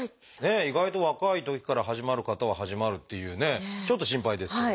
意外と若いときから始まる方は始まるっていうねちょっと心配ですが。